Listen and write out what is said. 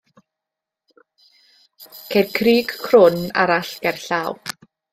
Ceir crug crwn arall gerllaw.